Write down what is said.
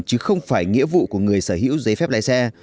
chứ không phải nghĩa vụ của người sở hữu giấy phép lái xe